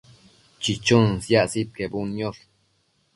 chichunën siac sidquebudniosh